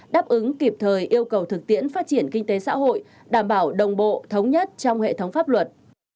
đáp ứng kịp thời yêu cầu thực tiễn phát triển kinh tế xã hội đảm bảo đồng bộ thống nhất trong hệ thống pháp luật